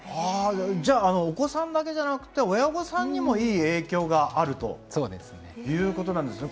じゃあお子さんだけじゃなくて親御さんにもいい影響があるということなんですね。